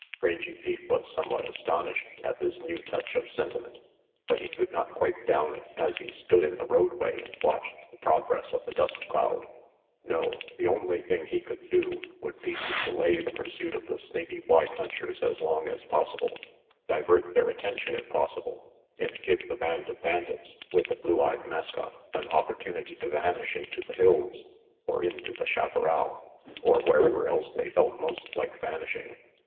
Rangy Pete was somewhat astonished at this new touch of sentiment, but he could not quite down it as he stood in the roadway and watched the progress of the dust cloud. No, the only thing he could do would be to delay the pursuit of the Snaky Y punchers as long as possible; divert their attention, if possible, and give the band of bandits with the blue eyed mascot an opportunity to vanish into the hills, or into the chaparral, or wherever else they felt most like vanishing.